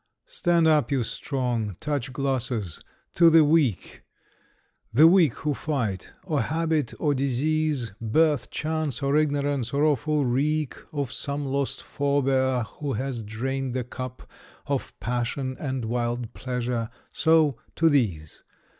Stand up, you Strong! Touch glasses! To the Weak! The Weak who fight : or habit or disease, Birth, chance, or ignorance — or awful wreak Of some lost forbear, who has drained the cup Of pagsion and wild pleasure ! So ! To these.